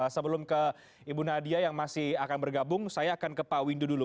sebelum ke ibu nadia yang masih akan bergabung saya akan ke pak windu dulu